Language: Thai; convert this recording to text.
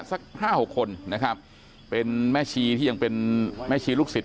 สักห้าหกคนนะครับเป็นแม่ชีที่ยังเป็นแม่ชีลูกศิษย